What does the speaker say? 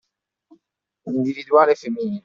Individuale femminile.